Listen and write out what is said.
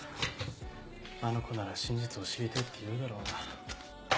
あの子なら真実を知りたいって言うだろうな。